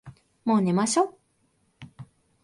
もう寝ましょ。